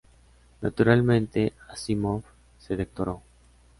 Naturalmente, Asimov se doctoró.